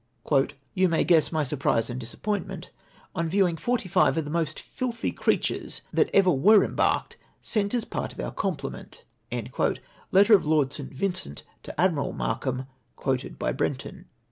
" You may guess my surprise and disappoiutment on viewing forty five of the most filthy creatui es that ever were embarked, sent as part of our complement." — {Letter of Lord St. Vincent to Admiral 3farkham, quoted by Brenton.)